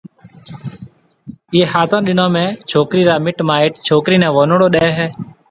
ايئيَ ھاتون ڏنون ۾ ڇوڪرِي را مِٽ مائيٽ ڇوڪرِي نيَ ونوݪو ڏَي ھيََََ